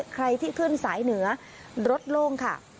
ใครที่ขึ้นสายเหนือรถโล่งค่ะ